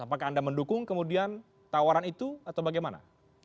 apakah anda mendukung kemudian tawaran itu atau bagaimana